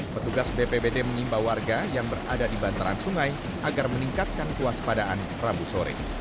petugas bppd menyimba warga yang berada di bantaran sungai agar meningkatkan kuas padaan rabu sore